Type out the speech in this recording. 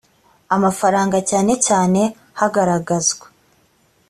amafaranga cyane cyane hagaragazwa